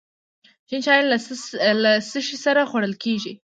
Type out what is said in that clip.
شین چای له څه سره خوړل کیږي؟